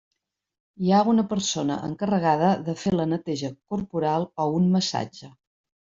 Hi ha una persona encarregada de fer la neteja corporal o un massatge.